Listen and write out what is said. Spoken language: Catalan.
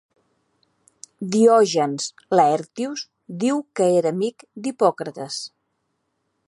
Diògenes Laertius diu que era amic d'Hipòcrates.